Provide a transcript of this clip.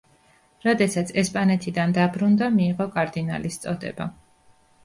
როდესაც ესპანეთიდან დაბრუნდა მიიღო კარდინალის წოდება.